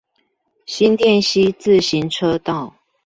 新店溪自行車道